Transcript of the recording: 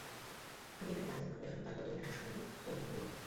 খালি এটাকে পানিতে ভরে ফেলো, তারপর দুনিয়ার শেষ প্রান্ত পর্যন্ত ওড়ো।